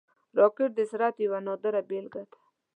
راکټ د سرعت یوه نادره بیلګه ده